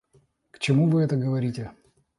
К чему вы это говорите?